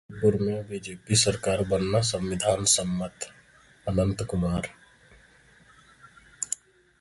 गोवा और मणिपुर में बीजेपी सरकार बनना संविधानसम्मत: अनंत कुमार